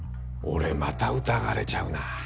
俺また疑われちゃうな。